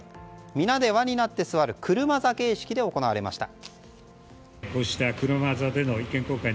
皆で輪になって座る車座形式で行われました。